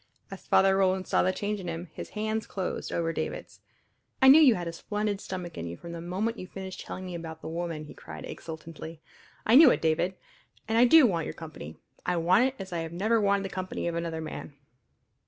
As Father Roland saw the change in him his hands closed over David's. "I knew you had a splendid stomach in you from the moment you finished telling me about the woman," he cried exultantly. "I knew it, David. And I do want your company I want it as I never wanted the company of another man!"